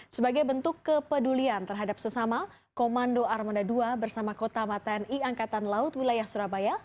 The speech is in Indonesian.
sebagai bentuk kepedulian terhadap sesama komando armada dua bersama kota matra tni angkatan laut wilayah surabaya